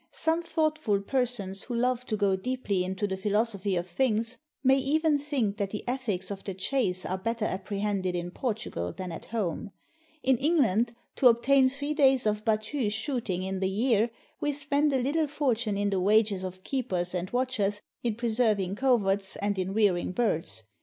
Some thoughtful per sons who love to go deeply into the philosophy of things, may even think that the ethics of the chase are better apprehended in Portugal than at home. In England, to obtain three days of hattue shooting in the year, we spend a little fortune in the wages of keepers and watch ers, in preserving coverts, and in rearing birds.